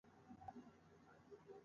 ایا زه باید زکات ورکړم؟